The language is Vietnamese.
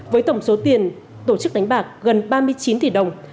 với tổng số tiền tổ chức đánh bạc gần ba mươi chín tỷ đồng